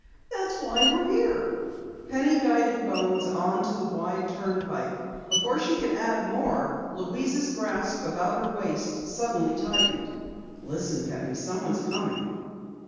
"That's why we're here." Penny guided Bones onto the wide turnpike. Before she could add more, Louise's grasp about her waist suddenly tightened. "Listen, Penny! Someone's coming!"